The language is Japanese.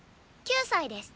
９歳です。